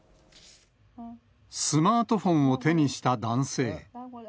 スマートフォンを手にした男性。